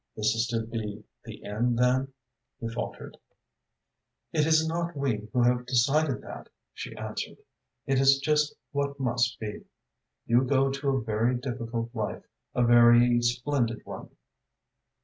"This is to be the end, then?" he faltered. "It is not we who have decided that," she answered. "It is just what must be. You go to a very difficult life, a very splendid one.